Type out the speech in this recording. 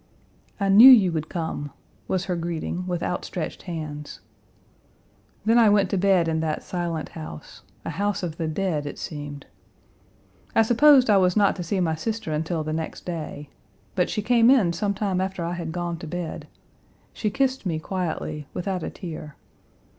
"I knew you would come," was her greeting, with outstretched hands. Then I went to bed in that silent house, a house of the dead it seemed. I supposed I was not to see my sister until the next day. But she came in some time after I had gone to bed. She kissed me quietly, without a tear.